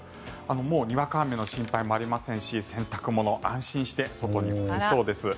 もう、にわか雨の心配もありませんし洗濯物安心して外に干せそうです。